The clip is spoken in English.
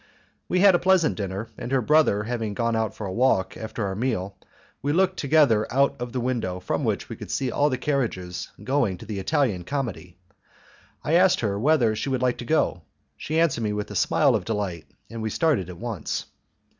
We had a pleasant dinner, and her brother having gone out for a walk after our meal we looked together out of the window from which we could see all the carriages going to the Italian Comedy. I asked her whether she would like to go; she answered me with a smile of delight, and we started at once.